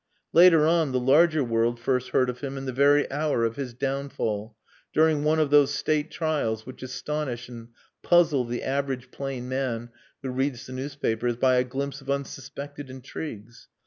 Later on the larger world first heard of him in the very hour of his downfall, during one of those State trials which astonish and puzzle the average plain man who reads the newspapers, by a glimpse of unsuspected intrigues.